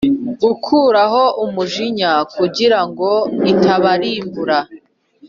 Gukuraho umujinya kugirango itabarimbura